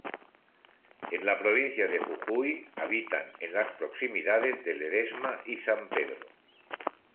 En la provincia de Jujuy habitan en las proximidades de Ledesma y San Pedro.